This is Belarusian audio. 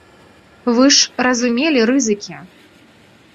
Вы ж разумелі рызыкі.